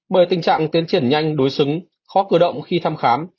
bởi tình trạng tiến triển nhanh đối xứng khó cử động khi thăm khám